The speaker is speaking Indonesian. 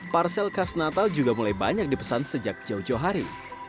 parsel khas natal juga mulai banyak dipesan sejak jauh jauh hari